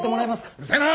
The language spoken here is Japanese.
うるせえな！